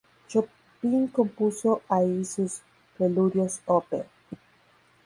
Chopin compuso allí sus "Preludios Op.